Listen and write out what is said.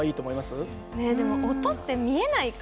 でも音って見えないからね。